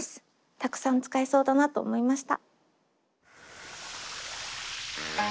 たくさん使いそうだなと思いました。